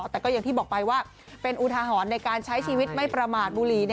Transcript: แต่ก็อย่างที่บอกไปว่าเป็นอุทาหรณ์ในการใช้ชีวิตไม่ประมาทบุหรี่